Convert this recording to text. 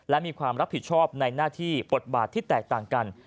และมีความรับผิดชอบในหน้าที่บทบาทที่แตกต่างกัน